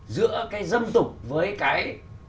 giữa cái dâm tục với cái